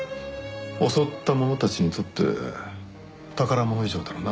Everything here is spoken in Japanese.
襲った者たちにとって宝物以上だろうな。